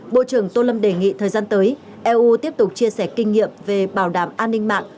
bộ trưởng tô lâm đề nghị thời gian tới eu tiếp tục chia sẻ kinh nghiệm về bảo đảm an ninh mạng